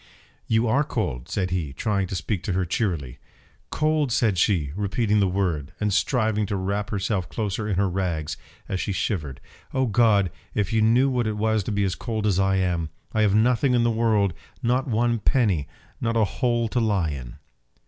"You are cold!" said he, trying to speak to her cheerily. "Cold!" said she, repeating the word, and striving to wrap herself closer in her rags, as she shivered "Oh God! if you knew what it was to be as cold as I am! I have nothing in the world, not one penny, not a hole to lie in!"